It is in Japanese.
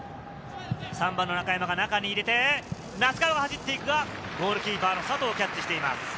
３番の中山が中に入れて、名須川が走っていくが、ゴールキーパーの佐藤がキャッチしています。